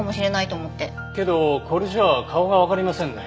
けどこれじゃあ顔がわかりませんね。